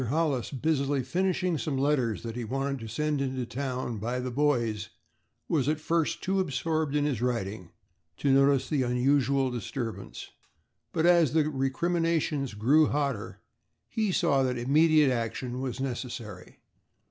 Hollis, busily finishing some letters that he wanted to send into town by the boys, was at first too absorbed in his writing to notice the unusual disturbance, but as the recriminations grew hotter he saw that immediate action was necessary.